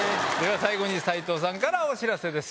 最後に斎藤さんからお知らせです。